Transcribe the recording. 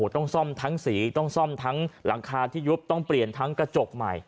ต้องซ่อมทั้งหลังคาที่ยุบต้องเปลี่ยนทั้งกระจกใหม่